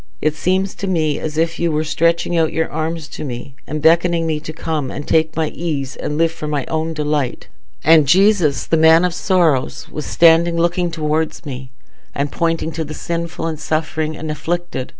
It seems to me as if you were stretching out your arms to me, and beckoning me to come and take my ease and live for my own delight, and Jesus, the Man of Sorrows, was standing looking towards me, and pointing to the sinful, and suffering, and afflicted.